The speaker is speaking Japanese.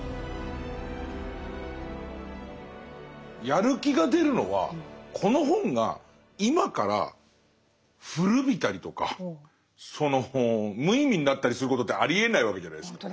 やる気が出るのはこの本が今から古びたりとかその無意味になったりすることってありえないわけじゃないですか。